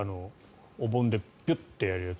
お盆でピュッてやるやつ。